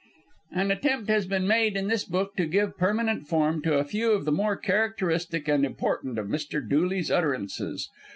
'" An attempt has been made in this book to give permanent form to a few of the more characteristic and important of Mr. Dooley's utterances.